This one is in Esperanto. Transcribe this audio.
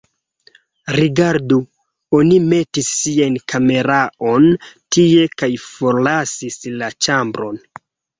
Rigardu, oni metis sian kameraon tie kaj forlasis la ĉambron